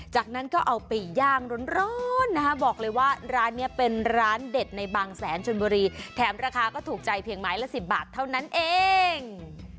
จากนั้นก็เอาไปย่างร้อนนะคะบอกเลยว่าร้านนี้เป็นร้านเด็ดในบางแสนชนบุรีแถมราคาก็ถูกใจเพียงไม้ละ๑๐บาทเท่านั้นเอง